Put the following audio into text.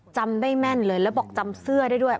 จำได้แม่นเลยแล้วบอกจำเสื้อได้ด้วย